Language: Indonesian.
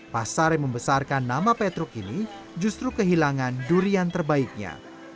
pasar yang membesarkan nama petruk ini justru kehilangan durian terbaiknya